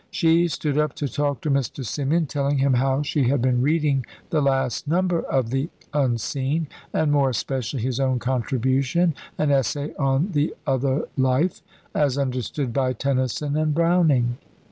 She stood up to talk to Mr. Symeon, telling him how she had been reading the last number of The Unseen, and more especially his own contribution, an essay on the other life, as understood by Tennyson and Browning.